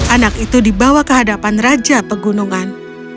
anak itu dibawa ke hadapan raja pegunungan